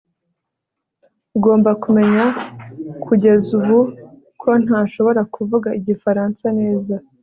ugomba kumenya kugeza ubu ko ntashobora kuvuga igifaransa neza